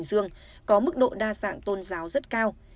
hà giang có mức độ đa dạng tôn giáo rất cao